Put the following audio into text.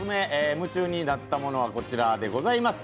夢中になったものはこちらでございます。